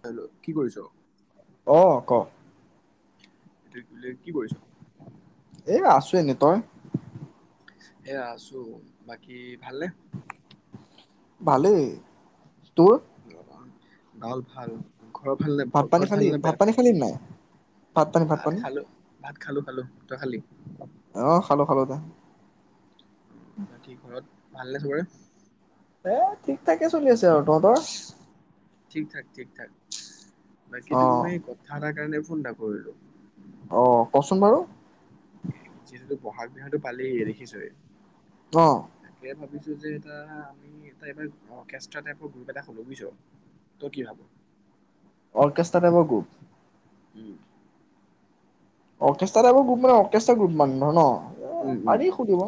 Hello, কি কৰিছ? অ', ক'। [unintelligible] কি কৰিছ? এ আছো এনে, তই? এয়া আছো, বাকী ভালনে? ভালেই। তোৰ? ভাল ভাল। ঘৰৰ ভাল নে ভাত পানী ঘৰত ভাল খালি? নে ভাত বেয়া? পানী খালি নাই? ভাত পানী, ভাত পানী? খালোঁ, খালোঁ। তই খালি? অহ' খালোঁ খালোঁ দে বাকী ঘৰত ভাল নে চবৰে? এই ঠিক ঠাকে চলি আছে আৰু তহঁতৰ? ঠিক থাক, ঠিক থাক। বাকী অ তোক মই এই কথা এটা কাৰণে ফোন এটা কৰিলোঁ। অহ' কচোন বাৰু। যিহেতুটো ব'হাগ বিহুতো পালেহিয়ে দেখিছই অ তাকে ভাবিছোঁ। দুযে এটা আমি এটা এইবাৰ অৰ্কেষ্ট্ৰা টাইপৰ গ্ৰুপ এটা খুলোঁ বুজিছ, তই কি ভাব? অৰ্কেষ্ট্ৰা টাইপৰ গ্ৰুপ। উম। অৰ্কেষ্ট্ৰা টাইপৰ গ্ৰুপ মানে অৰ্কেষ্ট্ৰা গ্ৰুপ মানে ধৰ ন। এ উম। উম পাৰি খুলিব।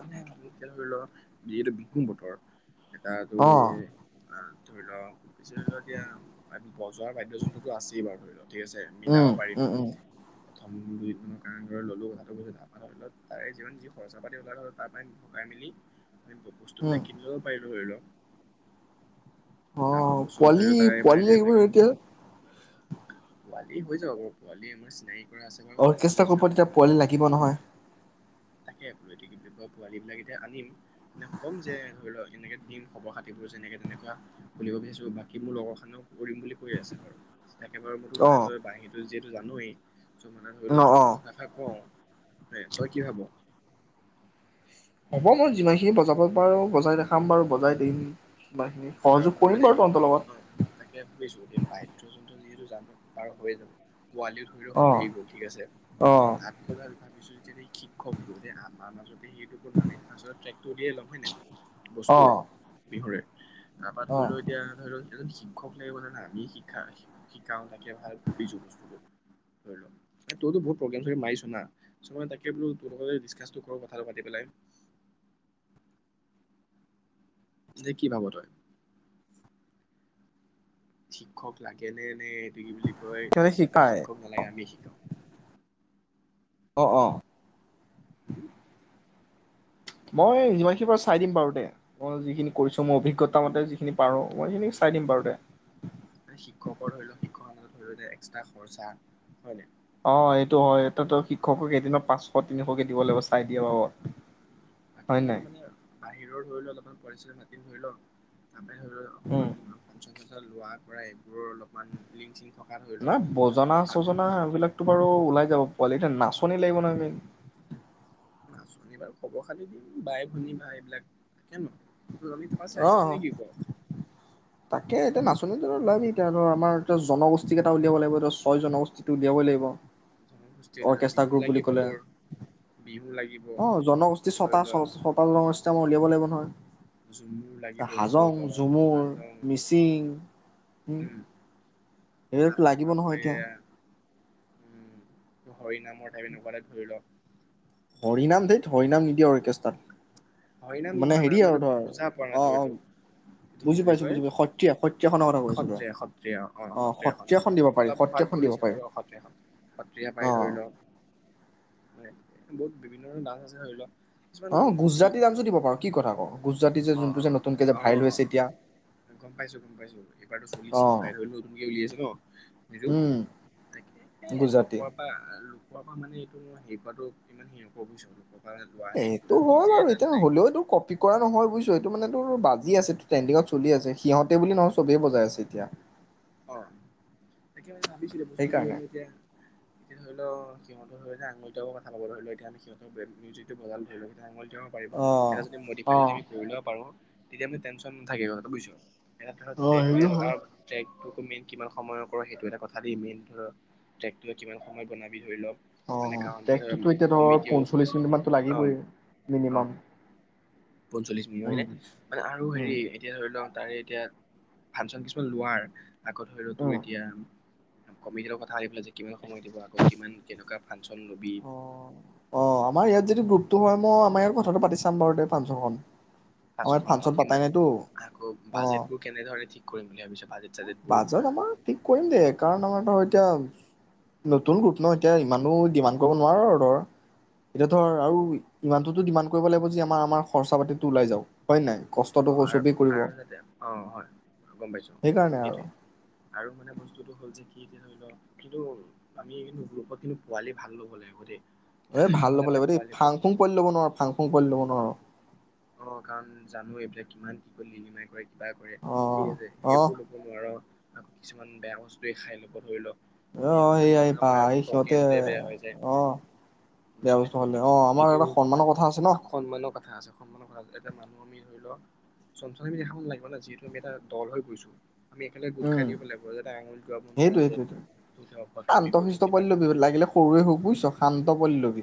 এতিয়া ধৰিলোৱা যিহেতু বিহুৰ বতৰ এটা অ তুমি অ' ধৰি ল [unintelligible] এতিয়া বজোৱাৰ বাদ্যযন্ত্ৰতো আছেই বাৰু ধৰি ল। ঠিক আছে উম মিলাব পাৰিম। উম উম [inaudible] খনৰ কাৰনে ধৰ ললোঁ মই। [inaudible] তাৰে যিমান যি খৰচা পাতি ওলাই তাৰে পৰা ভগাই মেলি মানে বস্তু উম বিলাক কিনি লব পাৰিলো ধৰি ল। অ অহা বছৰ ধৰি পোৱালি লও তাৰে মানে পোৱালি লাগিব এতিয়া। পোৱালি হৈ যাব বাৰু পোৱালি আমাৰ চিনাকী অৰ্কেষ্ট্ৰা গ্ৰুপত এতিয়া পোৱালি লাগিব নহয়। তাকে বোলো [inaudible] পোৱালী বিলাক এতিয়া আনিম। নে কম যে ধৰি লোৱা এনেকে দিম খবৰ খাতিবোৰ যেনেকে তেনেকুৱা খুলিব বিচাৰিছো বাকী মোৰ লগৰ খিনিও কৰিম বুলি কৈ আছে বাৰু। তাকে বাৰু মোৰটো অ মানে তই বাঁহীটো যে টো জানোৱেই। চ মানে ধৰি ল অ অ তোকো কথাষাৰ কওঁ। হয় তই কি ভাব? হ'ব মই যিমানখিনি বজাব পাৰো বজাই দেখাম বাৰু বজাই দিম। সিমানখিনি আৰু সহযোগ ধৰি ল কৰিম বাৰু দেই তহঁতৰ লগত অ তাকে ভাবিছো এ বাদ্যযন্ত্ৰ যিহেতু জানো তাৰ হৈ যাব। পোৱালিও ধৰি ল অ', হৈয়ে গল ঠিক আছে, অ', তাৰপিছত ভাবিছো যেতিয়া শিক্ষকতো আমাৰ মাজত সেইটো ন' আমি ট্ৰে তলিয়াই ল'ম হয় নাই। বস্তুৰ অ', বিহুৰে। তাৰপা ধৰি অ'। ল' এতিয়া এনে ধৰি ল' এজন শিক্ষক লাগিব ন' আমি শিকা শিকাও তাকে ভাল ভাবিছো বস্তুটো ধৰি ল' তইতো বহুত প্ৰগ্ৰেম মাৰিছো না তাকে বোলো তোৰ লগতে ডিচকাচটো কৰো কথাটো পাতি পেলাই। নে কি ভাব তই। শিক্ষক লাগে নে নে এইতো কি বুলি কয় সিহঁতে নে শিকায় শিক্ষক নালাগে আমিয়ে শিকাম। অ', অ'। হম। মই যিমানখিনি পাৰো চাই দিম বাৰু দে মই যিখিনি কৰিছো মই অভিজ্ঞতা মতে যিখিনি পাৰো মই সেইখিনি চাই দিম বাৰু দে। মানে শিক্ষকৰ ধৰি লও শিক্ষকৰ মাজত ধৰি ল এক্সট্ৰা খৰচা হয় নে? অ', এইটো হয় এাতো শিক্ষকক এইদিনত পাঁচশ তিনিশকে দিব লাগিব চাই দিয়া বাবত। বাকী ধৰি লও মানে বাহিৰৰ ধৰি লও অলপমান কৰিছিল মাতি ধৰি ল' উম। [unintelligible] লোৱা কৰা এইবোৰৰ অলপমান লিং চিং নাই। বজনা-চজনা এইবিলাকতো বাৰু ওলাই যাব। পোৱালি এটা নাচনী লাগিব নহয় মেইন। নাচনী বাৰু খবৰ খালি দিম বাই ভনী বা এইবিলাক তাকে ন। [unintelligible] আমি ত পাছ অ'। কম নে কি ক। তাকে এতিয়া নাচনীকেইটা উলিয়াবি তোহঁতৰ। আমাৰ এতিয়া জনগোষ্ঠীকেইটা উলিয়াব লাগিব। এতিয়া ছয়টা জনগোষ্ঠীটো উলিয়াবই লাগিব। জনগোষ্ঠীৰ অৰ্কেষ্ট্ৰা বিহু গ্ৰুপ বুলি লাগিব ক'লে। তোৰ বিহু লাগিব অঁ, জনগোষ্ঠী ধৰি ছয়টা, ল ছয়টা তাৰপিছত জনগোষ্ঠী আমাৰ উলিয়াব লাগিব নহয়। ঝুমুৰ লাগিব ধৰি হাজং, ল'। ঝুমুৰ, হাজং। মিচিং উম্। তাৰ পা, তোৰ আকৌ এইয়া। উম্। হৰি নামৰ টাইপ এনেকুৱা এটা ধৰি ল। হৰি নাম। ধেৎ, হৰিনাম নিদিয়ে হৰিনাম অৰ্কেষ্টাত। মানে নহয় হেৰি, আৰু মইতো ধৰ বুজা পোৱা নাই তোৰ এইটো অঁ, এইটো কি বুজি বুলি পাইছোঁ, কয় বুজি পাইছোঁ। সত্ৰীয়া, সত্ৰীয়াখনৰ কথা কৈছ তই। সত্ৰীয়া সত্ৰীয়া অ অঁ, সত্ৰীয়াখন দিব মই পাৰি, অলপ কোৱাত ভুল সত্ৰীয়াখন দিব হৈছে পাৰি। বাৰু সত্ৰীয়াখন অঁ। মানে, বহুত বিভিন্ন ধৰণৰ ডান্স আছে। ধৰি লোৱা। কিছুমান। অ গুজৰাটী ডান্সো দিব পাৰো কি কথা ক গুজৰাটী যে অঁ, যোনটো যে নতুনকে যে অঁ, অঁ, ভাইৰেল অঁ, হৈছে এতিয়া গম পাইছোঁ, গম পাইছোঁ। এইবাৰতো অ চলিছেই প্ৰায়, হ'লেও নতুনকে উলিয়াইছা ন এইটো? উম তাকে। এ, গুজৰাটী লোকৰ পা, লোক। পোৱা পা মানে এইটো হেৰি কৰাতো ইমান সেই নাপাবি, বুজিছ? পৰা লোৱা হেৰি এইটো হ'ল, নিজে আৰু এতিয়া তাত হ'লেও এইটো কপি কৰা নহয়, বুইছ। এইটো মানে। অঁ, বাজি আছে। ট্ৰেণ্ডিঙত চলি আছে। সিহঁতে বুলি নহয়, চবেই বজাই আছে এতিয়া। অঁ। অঁ, ভাবিছিলে বস্তুটোও সেইকাৰণে এতিয়া, এতিয়া ধৰি ল। অঁ, সিহঁতৰ এতিয়া আঙুলিকেইটাইহে কথা ক'ব, ধৰি ল। এতিয়া আমি সিহঁতৰ মিউজিকটো বজালোঁ, ধৰি ল। এতিয়া আঙুলি। পাৰিব, অ এটা যদি মডিফাই অ যদি আমি কৰি লও পাৰো তেতিয়া মানে টেনচন নাথাকে কথাটো বুজিছ? এনে ধৰ ট্ৰেক সেইটো উলিয়ালো হয় আৰু ট্ৰেক, মেইন কিমান সময় কৰ সেইটো এটা কথা দি, মেইন ধ টেট কিমান সময় বনাবি ধৰি লওক অ মানে কাৰণ ট্ৰেটোতো এতিয়া ধৰ কমিটিও পঞ্চল্লিছ মিনিট মানতো অ লাগিবই মিনিমাম। পঞ্চল্লিছ মিনিট উম হয়নে, মানে আৰু হেৰি উম এতিয়া ধৰি ল তাৰে এতিয়া ফাংচন কিছুমান লোৱাৰ আকৌ ধৰি ল তোৰ উম এতিয়া কমিটি লগত কথা পেলাই যে কিমান সময় দিব আকৌ কিমান কেনেকুৱা ফাংচন লবি। অ অ আমাৰ ইয়াত যদি গ্ৰুপটো হয় মই আমাৰ ইয়াত কথাটো পাতি চাম বাৰু দে ফুনকচনখন। আমাৰ পাঁচশখন অ ফাংচন পতাই কিমান নাইটো আকৌ অঁ, বাজেটবোৰ কেনেধৰণে ঠিক কৰিম বুলি ভাবিছ বাজেট চাজেটবোৰ বাজেট আমাৰ ঠিক কৰিম দে কাৰণ আমাৰটো এতিয়াও নতুন গ্ৰুপ ন এতিয়া ইমানো ডিমাণ্ড ক'ব নোৱাৰোঁ ৰৰ্ডৰ এতিয়া ধৰ আৰু ইমানটো এইটো ডিমান্ড কৰিব লাগিব যে আমাৰ আমাৰ খৰচা পাতিটো ওলাই যাওঁক। অ', আৰু আৰু যাতে অ', হয় গম পাইছো সেইকাৰণে আৰু সেইটোৱে আৰু মানে বস্তুটো হ'ল যে কি কিয়া ধৰি ল' কিন্তু আমি কিন্তু গোপত কিন্তু পোৱালি ভাল লব' লাগিব দেই। এ, ভাল ল'ব নহ'লে মানে লাগিব দেই, পোৱালিবোৰ ফাং ফুং পোৱালি ল'ব নোৱাৰ, ফাং ফুং পোৱালি লব অ'। অ', কাৰণ জানো এইবিলাক কিমান কি কৰি লিলিমাই কৰে। কিবা কৰে অ ঠিক আছে অ সেইবোৰ ল'ব নোৱাৰ। আকৌ কিছুমান বেয়া বস্তুৱয়ে খাই ল'ব ধৰি ল'। অ', সেইয়া পাই সিহঁতে, বেয়া হৈ যায় অ', বেয়া বুজিছনে বস্তু খালে, অ', আমাৰ সেইটো এটা সন্মানৰ কথা আছে ন'। [unintelligible] সন্মানৰ কথা আছে, এটা মানুহ আমি ধৰি লওঁ চম্ভালি ৰাখিব লাগিব ন', যিহেতু আমি এটা দল হৈ গৈছো। আমি একেলগে গোট উম খাই থাকিব লাগিব যাতে আঙুলি তোৱাব নোৱাৰে সেইটোৱে সেইটোৱে যে শান্ত অভ্যদামি কৰিছো শিষ্ট কিবা পোৱালি কৰ লবি লাগিলে সৰুৱে হওক বুজিছ শান্ত পোৱালি ল'বি।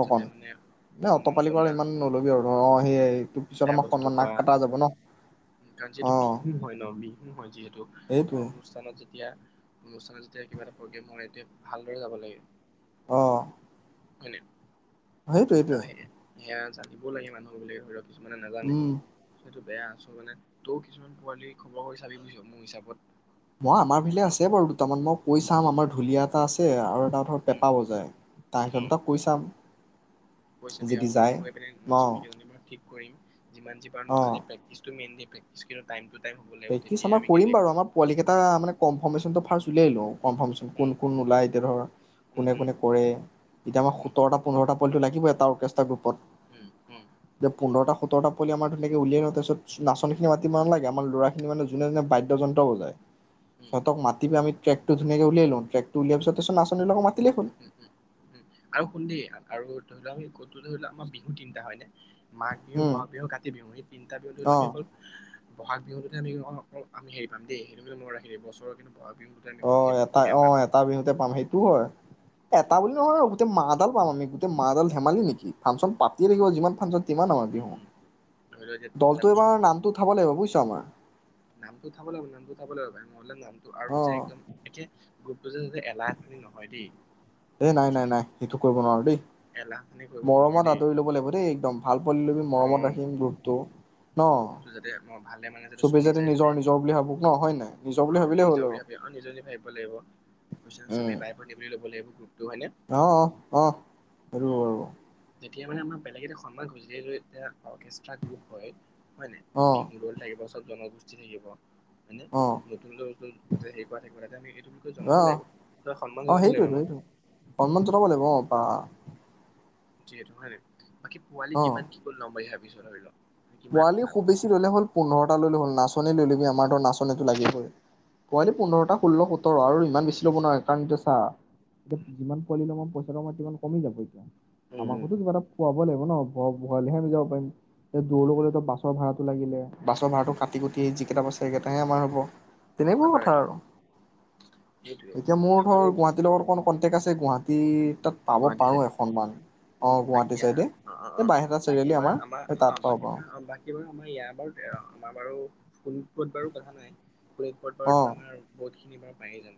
অকন, ন' সন্মান অটপালি কৰা জনা ইমান নল'বি আৰু ন' আহি আহি তোক পিছত বেয়া আমাৰ বস্তু সন্মান নাক খোৱা, কাটা যাব কাৰণ অ যিহেতু বিহু হয় ন' বি [unintelligible] তোক সেইটোৱে অনুষ্ঠানত যেতিয়া অনুষ্ঠানত যেতিয়া কিবা এটা প্ৰগ্ৰেম হয়, তেয়া ভালদৰে যাব লাগে। অহ। হয় নে? [unintelligible] দিব লাগে মানুহবিলে ঘৰত। কিছুমানে নাজানে, উম সেইটো। বেয়া আছ মানে। তও কিছুমান পোৱালি খবৰ কৰি চাবি বুইছ মোৰ হিচাপত। মই আমাৰ ফিলে আছে বাৰু দুটামান, মই কৈ চাম আমাৰ ঢুলীয়া এটা আছে আৰু টা ধৰ উম পেঁপা বজায়, তা উম সিহঁতক কৈ চাম। কৈছে বিয়া যদি ঘৰৰ মোৰ যায় মই এইপিনে অ নাচনী কেইজনী বাৰ ঠিক। কৰিম যিমান যি পাৰো নে? অ খালি প্ৰেক্টিছ টো [unintelligible] প্ৰেক্টিছ [unintelligible] টাইম টোত প্ৰেক্টিচ আমাৰ কৰিম বাৰু আমাৰ পোৱালি কেইটা মানে কনফাৰমেচন টো ফাৰ্ষ্ট উলিয়াই লওঁ। কনফাৰমেচন, কোন উম কোন ওলায় এতিয়া উম ধৰ, উম কোনে কোনে কৰে, এতিয়া আমাক উম সোতৰটা পোন্ধৰটা পোৱালি টো লাগ কিবা এটাও এক্সটা [unintelligible] উম উম [unintelligible] মোক পোন্ধৰটা। সোতৰটা পোৱালি আমাৰ ধুনীয়াকৈ উলিয়াই লওঁ, তা ছত নাচনীখিনি মাতিব নালাগে, আমাৰ ল'ৰা খিনি মানে জোনে জোনে বাদ্যযন্ত্ৰ বজায়। উম সিহঁতক মাতিব আমি ট্ৰেক [unintelligible] ধুনীয়াকৈ উলিয়াই লওঁ। ট্ৰেকটো উলিওৱাৰ পিছত তাছত নাচনীৰ লগত মাত ও ও‌ ও, আৰু শুন দেই আৰু ধৰি লওঁ আমি [unintelligible] ধৰি ল আমাৰ বিহু তিনিটা হয়নে? মাঘবিহু, উম বহাগবিহু, কাতিবিহু। এই তিনিটা বিহুত ধৰি ল অ আমি অকল বহাগ বিহুটোতহে‌ আমি অ অ আমি হেৰি পাম দেই, সেইটো কিন্তু মনত ৰাখিবি। বছৰত কিন্তু বহাগ বিহুটোতে আমি অ অকল হেৰি পাম এটা প্ৰগ্ৰেম অ পাম। এটা বিহুতে পাম, সেইটোও হয়। এটা উম বুলি নহয় অ', গোটেই মাহডাল পাম আমি, গোটেই মাহডাল ধেমালি নেকি? ফাংচন পাতি থাকিব যিমান ফাংচন কিমান ডাঙৰ উম বিহু? উম ধৰি লোৱা এতিয়া কথা এটা দলটোৰ কৈছো এইবাৰ নামটো উঠাব লাগিব বুইছ তোমাৰ। নামটো উঠাব লাগিব নামটো উঠাব লাগিব [unintelligible] নহ'লে নামটো আৰু অ যে একদম একে। তোৰ [unintelligible] এলাহ খালী নহয় দেই। এ, নাই, নাই, বুজিছনে নাই সেইটো কৰিব নোৱাৰোঁ দেই। এলাহ খানি কৰিব নোৱাৰো মৰমত দেই আদৰি ল'ব লাগিবদেই একদম ভাল পোৱালি লবি অ মৰমত ৰাখিম গ্ৰুপটো। হ'ব। গ্ৰুপটো যাতে মই ভালেমানে যাতে চবেই চলি যায় নিজৰ যাতে নিজৰ বুলি ভাবো ন হয় নাই নিজৰ বুলি অ', ভাবিলেই নিজৰ হ'ল বুলি আৰু ভাবি অ', নিজৰ বুলি ভাৱিব লাগিব বুজিছ চবেই বাই-ভনী বুলি ল'ব লাগিব। গ্ৰুপটো হয়নে অহ, অহ, অহ। পালোঁ আৰু তেতিয়া মানে আমাৰ বেলেগ এটা সন্মান হয়যে এতিয়া অৰ্কেষ্ট্ৰা গ্ৰুপ হয়। হয়নে উম অ অ অ সেইটো নাই হ'ব বাৰু অ বিহু ৰ'ল তাৰপিছত জনগোষ্ঠী বেছি থাকিব। হয়নে অ নতুন নতুন বস্তু তাতে হেৰি কৰা থাকিব তাতে আমি সেইটো বিষয়ে আমি অ জনাব লাগিব তাতে সন্মান অ জনাব লাগিব সেইটোৱেতো আমাক। সেইটো সন্মান জনাব লাগিব অ বা যিহেতু হয়নে নাই। বাকী পোৱালি অ কিমান কি কৰি লম বুলি ভাব তুমি ছয়টা ধৰিলোঁ। পোৱালি খুববেছি ল'লে হ'ল পোন্ধৰটা ল'লে হ'ল নাচ নাচনী লৈ লবি আমাৰ ধৰ নাচনীটো লাগিবই পোৱালি পোন্ধৰটা ষোল্ল সোতৰ আৰু ইমান বেছি ল'ব নোৱাৰি কাৰণ এতিয়া চা এতিয়া যিমান পোৱালি লম পইচাটো আমাৰ সিমান কমি যাব এতিয়া। উম উম আমাকোটো উম কিবা এটা পোৱা [unintelligible] লাগিব ন ভ ভলেহে আমি যাব পাৰিম। দৌৰ উম লবলে উম তই বাছৰ ভড়াটো লাগিলে। বাছৰ ভাড়াটো কাটি কুটি যিকেইটা বাছেগে সেইটাহে আমাৰ হ'ব। তেনেকোৱা নহয় কথা বাৰু আৰু, এইটো সেইটোৱে এতিয়া মোৰ সেইটো ধৰ আমি গুৱাহাটীৰ লগত অকণ কনটেক্ট আছে গুৱাহাটীৰ। তাত পাব গুৱাহাটী পাৰো চাইডে এখনমান। অ', গুৱাহাটী বাকী আহ, চাইডে, অ অ এই অ বাইহাটা বাকী চাৰিআলি এবাৰ আমাৰ সেই অ তাত। বাকী পাৰোঁ বাৰু আমাৰ ইয়াৰ বাৰু আমাৰ বাৰু। [unintelligible] শোণিতপুত বাৰু কথা নাই। অ। বতৰতো আমৰ বহুত এইবাৰ পায়ে যাম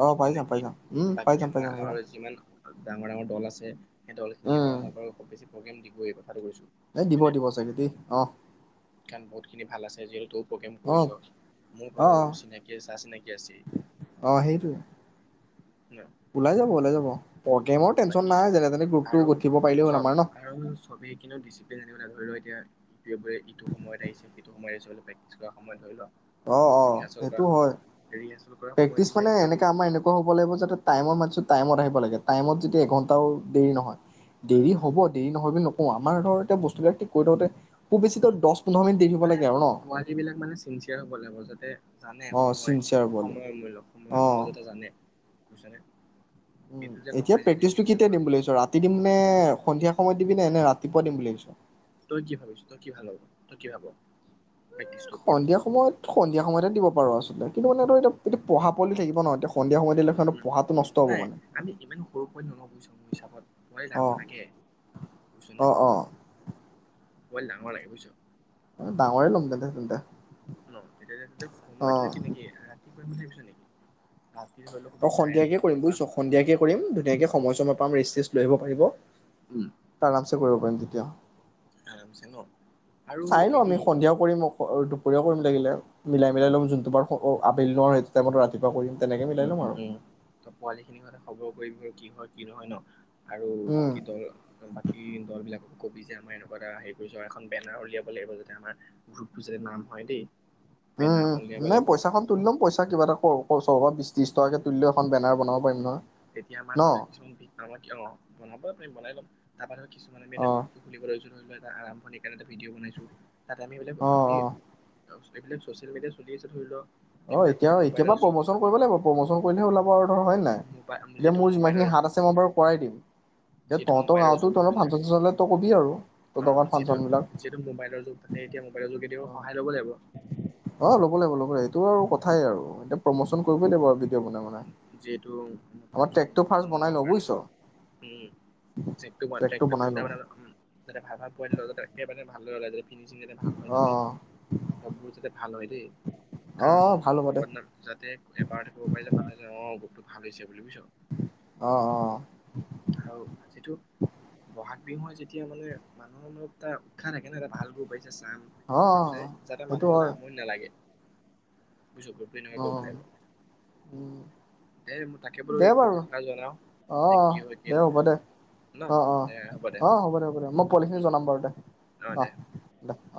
অ পাই যাম তেনেকি পাই যাম উম পাই বাকী যাম পাই আমাৰ যাম এয়া আৰু যিমান ডাঙৰ ডাঙৰ দল আছে তুমি এবাৰ আমাৰ ঘৰত বহুত বেছি প্ৰগ্ৰেম দিব এবাৰ এ দিব দিব চাগে দ অ কাৰণ বহুত খিনি ভাল আছে যিহেতু প্ৰগ্ৰেম অ কৰিছ মোৰ অ অ প্ৰগ্ৰেম কৰিছ চিনাকি চা চিনাকি আছে অ সেইটোৱে ওলাই যাব ওলাই যাব প্ৰগ্ৰেমৰ টেনচন বাকী নাই যেনে তেনে গ্ৰুপটো আৰু গঠিব পাৰিলেই হ'ল আমাৰ চব ন আৰু ছবিখিনিও ডিচিপ্লিন আনিবলৈ ধৰি লও এতিয়া ই এইটো সময়ত আহিছে সেইটো সময়ত প্ৰেক্টিছ কৰ সময় ধৰি ল অ অ ৰিহাৰ্চেল কৰা সেইটো সময়ত হয় ৰিহাৰ্চেল কৰা সময় প্ৰেকটিচ কিন্তু মানে একদম এনেকে আমাৰ এনেকুৱা হব লাগিব যাতে টাইম মত টাইমত আহিব লাগে টাইমত যদিয়া এঘন্টাও দেৰি নহয় উম দেৰি উম হ'ব দেৰি নহয় বুলি ন অ আমাৰ ঘৰতে বস্ত ত কৈ থওঁতে উবেচিত উম দ মানে পোৱালী বিলাক মানে চিনচিয়াৰ হব লাগিব যাতে জানে অ সময় চিনচিয়াৰ পোৱালি সময়মূল্য অ সময়মূলক এটা জানে বিচাৰে উম এতিয়া প্ৰেক্টিচটো কেতিয়া দিম বুলি ভাবিছ ৰাতি দিম নে সন্ধিয়া সময়ত দিবি নে নে ৰাতি ইম্পৰ্টেণ্ট বোলে ভাবিছো তই কি ভাবিছ' তই কি ভাল হ'ব তই কি ভাব? প্ৰেক্টিছটোৰ ওপৰত সন্ধিয়া সময়ত সন্ধিয়া সময়তে দিব পাৰো আ কিন্তু মান ধ এয়া এইটো পঢ়া পোৱি থাকিব ন' এয়া উম, উম, নাই আমি ইমান সৰু পোৱালী নলওঁ বুজিছো মোৰ হিচাপত পঢ়াই যাব অ', লাগে বুজিছোনে অ', অ', পোৱালী ডাঙৰ লাগে বুইছ'। ডাঙৰে ল'ম তেন্তে তেন্তে ন' তেতিয়া সময়টো অ'। কিনকি ৰাতি কৰিম ভাবিছ' নেকি? ৰাতি ধৰি লওক অ', খুবেই চাৰে আঠটা সন্ধিয়াকে মানৰ কৰিম পৰা বুইছ' সন্ধিয়াকে কৰিম ধুনীয়াকে সময় অলমান ৰেষ্ট চেষ্ট ল'ব পাৰিব। তা আৰাম চে কৰিব পাৰি দি তিয়। আৰমছে ন'? আৰু চাই ল' হেৰি আমি সন্ধিয়া কৰিম দুপৰীয়াও কৰিম লাগিলে। মিলাই মিলাই উম লম উম যোন তোমাৰ পাৰো ও ও বিলো আৰু সেইটোটাইমত ৰাতিপুৱা কৰিম। তেনেকে মিলাই উম ল'ম উম আৰু উম তই পোৱালি খিনি ঘৰলে খব কৰিমগৈ কি হয় কি নহয় ন। আৰু উম। বাকী দল বাকী দল বিলাক কবি যে আমাৰ এনেকুৱা এটা হেৰি কৰিছো এখন বেনাৰ উলিয়াব লাগিব যাতে আমাৰ গ্ৰুপটো যাতে নাম হয় দেই। উম বেনাৰ উম এখন উলিয়াব নাই লাগিব পইচাখন তুলি ল'ম পইচা কিবা এটা খৰচ ছভ বি [unintelligible] উ উ তেতিয়া আমাৰ ন ধৰ কিছুমান বি আমাৰ ক অ বনাব আমি বনাই লম [unintelligible] তাৰপৰা কিছুমান আমি অ এটা গ্ৰুপটো খুলিবলৈ লৈছো হয় বা আৰম্ভণিতে এটা ভিডিঅ বনাইছো তাত আমি বোলে অ অ আমি এইবিলাক ছচিয়েল মিডিয়া চলি আছে ধৰি লও অ এতিয়া এতিয়া পৰা প্ৰমোচন কৰিব লাগিব প্ৰমোচন কৰিলে হে ওলাব ধৰ হয় নাই মোবাইল এতিয়া যিহেতু মোৰ যিমান খিনি মোবাইলৰ হাত যুগ আছে মই বাৰু কৰাই দিম এতিয়া যিহেতু তহঁতৰ মোবাইলৰ গাঁওতো যুগ তহঁতৰ হয়নে ফাংচন চাংচন হ'লে তই কবি আৰু অ তহঁতৰ গাঁৱৰ যিহেতু ফাংচন বিলাক যিহেতু মোবাইলৰ যুগ তাতে এতিয়া মোবাইলৰ যোগেদিও সহায় ল'ব লাগিব অ অ ল'ব লাগিব লব লাগিব এইটো আৰু কথাই আৰু এতিয়া প্ৰম'চন কৰিবই লাগিব আৰু ভিডিঅ' বনাই বনাই যিহেতু [unintelligible] কাৰ আমাৰ ট্ৰেকটো উে ফাৰ্ষ্ট বনাই লওঁ বুজিছ ট্ৰেকটো বনাই লওঁ ভাল ভাল ভাল পোৱেবাৰে ভালদৰে ওলাই যাবি ফিনিচিং যাতে ভাল হয় অ যাতে চববোৰ যাতে ভাল হয় দেই অ কাৰণ অ ভাল হ'ব দে ব যাতে এবাৰতে কব পাৰিলে ভাল হয়। অ' গোটটো ফালিছে বুলি বুইছ অ' অ' আৰু যিটো বহাগ বিহু আহিছে এতিয়া মানে মানুহৰ অলপ এটা উৎসাহ থাকে ন এটা ভাল গ্ৰুপ আহিছে। যাম অ অ বুইছে যাতে সেইটো মানুহৰ যাতে আমনি নালাগে বুজিছ গ্ৰুপটো এনেকুৱা কৰিব লাগিব অহ' উম। দে মই তাকে বোলো দে এইবোৰ বাৰু কথাষাৰ জনাও যে কি অ' হয় কি দে হ'ব নহয় দে অ' অ' অ' হ'ব দে হ'ব দে মই পোৱলিখিনি উম জনাম বাৰু দে অ' দে